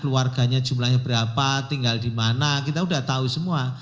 keluarganya jumlahnya berapa tinggal di mana kita sudah tahu semua